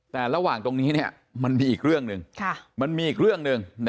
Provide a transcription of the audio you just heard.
แต่ระหว่างตรงนี้มันมีอีกเรื่องนึง